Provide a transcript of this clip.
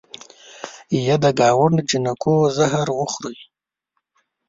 یه د ګاونډ جینکو زهر وخورئ